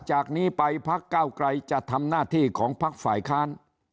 จากนี้ไปพักเก้าไกรจะทำหน้าที่ของพักฝ่ายค้าน